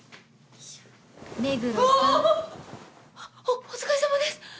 おお疲れさまです！